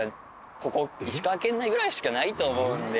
ここ石川県内ぐらいしかないと思うので。